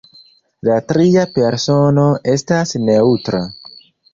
La tria persono estas neŭtra.